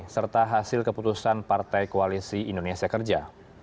serta hasil keputusan partai koalisi indonesia kerja